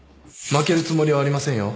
負けるつもりはありませんよ